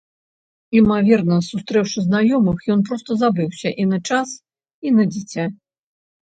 Імаверна, сустрэўшы знаёмых, ён проста забыўся і на час, і на дзіця.